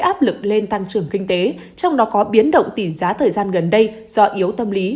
áp lực lên tăng trưởng kinh tế trong đó có biến động tỷ giá thời gian gần đây do yếu tâm lý